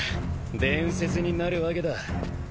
伝説になるわけだ。